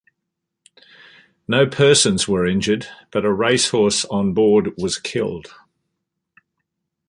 No persons were injured, but a racehorse on board was killed.